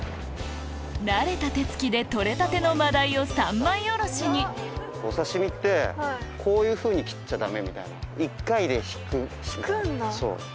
慣れた手つきで取れたての真鯛を三枚おろしにお刺し身ってこういうふうに切っちゃダメ。